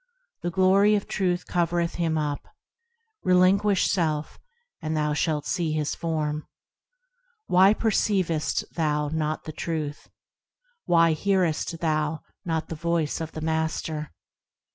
The glory of Truth covereth Him up; Relinguish self, and thou shalt see His Form. Why perceivest thou not the Truth? Why hearest thou not the Voice of the Master?